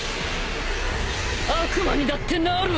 悪魔にだってなるわ！！